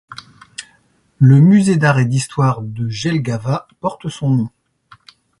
Le musée d'art et d'histoire de Jelgava porte son nom.